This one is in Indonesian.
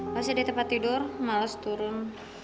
masih ada tempat tidur males turun